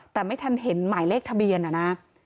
แต่ไม่ทันเห็นหมายเลขทะเบียนอะนะ